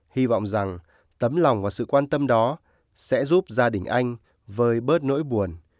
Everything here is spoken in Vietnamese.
hy vọng rằng tấm lòng và sự quan tâm đó sẽ giúp gia đình anh vơi bớt nỗi buồn